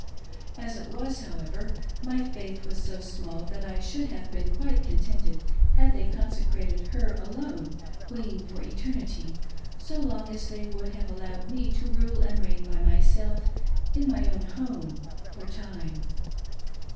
As it was, however, my faith was so small that I should have been quite contented had they consecrated her alone queen for Eternity, so long as they would have allowed me to rule and reign by myself in my own home for Time.